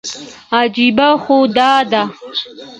عجیبه خو دا ده.